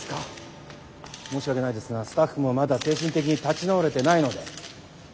申し訳ないですがスタッフもまだ精神的に立ち直れてないので。